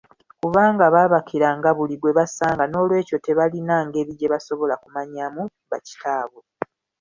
Kubanga baabakiranga buli gwe basanga noolwekyo tebalina ngeri gye basobola kumanyaamu bakitaabwe.